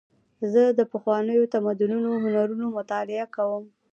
زه د پخوانیو تمدنونو هنرونه مطالعه کوم.